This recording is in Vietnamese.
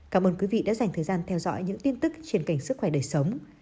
cảm ơn quý vị đã dành thời gian theo dõi những tin tức trên cảnh sức khỏe đời sống